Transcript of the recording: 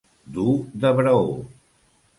Dur de braó.